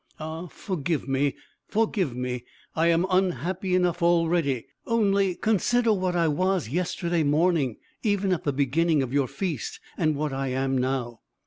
Ah forgive me, forgive me! I am unhappy enough already. Only consider what I was yesterday morning, even at the beginning of your feast, and what I am now."